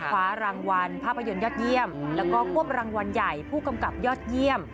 คว้ารางวัลภาพยนตร์ยอดเยี่ยมแล้วก็ควบรางวัลใหญ่ผู้กำกับยอดเยี่ยม